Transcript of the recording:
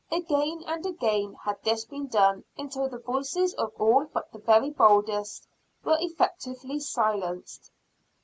Again and again, had this been done until the voices of all but the very boldest were effectually silenced.